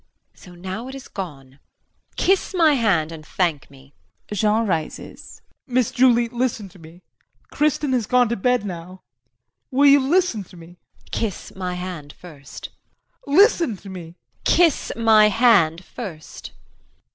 So, now it is gone! Kiss my hand and thank me! [Jean rises.] JEAN. Miss Julie, listen to me. Kristin has gone to bed now will you listen to me JULIE. Kiss my hand first. JEAN. Listen to me JULIE. Kiss my hand first.